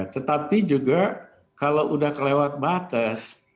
tetapi juga kalau sudah kelewat batas